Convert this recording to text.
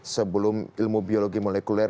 sebelum ilmu biologi molekuler